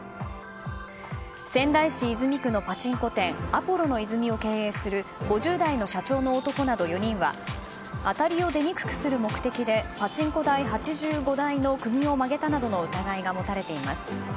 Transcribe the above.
仙台市泉区のパチンコ店アポロの泉を経営する５０代の社長の男など４人は当たりを出にくくする目的でパチンコ台８５台の釘を曲げたなどの疑いが持たれています。